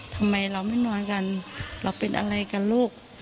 ทำไมเราไม่นอนกันเราเป็นอะไรกันลูก